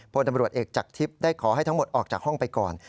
พลตำรวจเอกจากทิพย์ได้ขอให้ทั้งหมดออกจากห้องไปก่อน